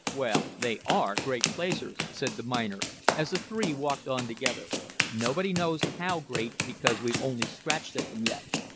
"Well, they ARE great placers," said the miner, as the three walked on together; "nobody knows HOW great because we've only scratched at them yet.